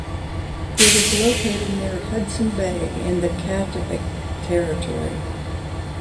It is located near Hudson Bay in the Kativik territory.